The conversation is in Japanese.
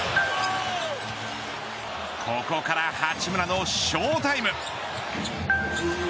ここから八村のショータイム。